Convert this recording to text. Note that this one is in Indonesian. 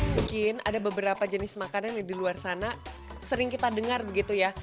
mungkin ada beberapa jenis makanan yang di luar sana sering kita dengar gitu ya